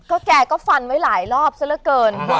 ก็แกก็ฟันไว้หลายรอบซะละเกิน